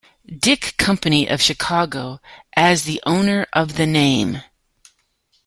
Dick Company of Chicago as the owner of the name.